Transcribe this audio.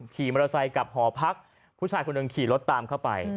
ขี่มหาวิทยาลัยกลับหอพักผู้ชายคนนึงขี่รถตามเข้าไป